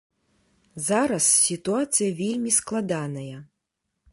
Зараз сітуацыя вельмі складаная.